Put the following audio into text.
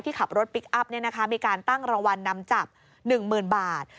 ขับรถพลิกอัพมีการตั้งรางวัลนำจับ๑๐๐๐บาท